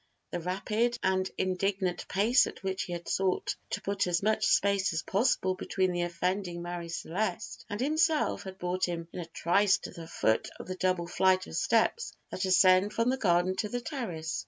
The rapid and indignant pace at which he had sought to put as much space as possible between the offending Marie Celeste and himself had brought him in a trice to the foot of the double flight of steps that ascend from the garden to the terrace.